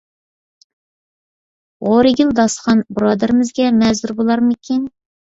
غورىگىل داستىخان بۇرادىرىمىزگە مەزۇر بولارمىكىن؟